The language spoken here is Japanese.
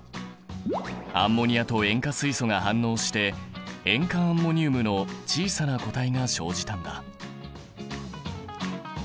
アンモニアと塩化水素が反応して塩化アンモニウムの小さな固体が生じたんだ。